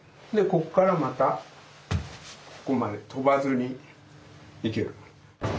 こっからまたここまで跳ばずにいける。